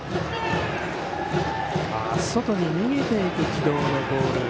外に逃げていく軌道のボール